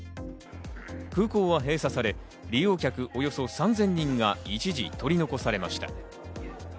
空港は閉鎖され、利用客およそ３０００人が一時取り残されました。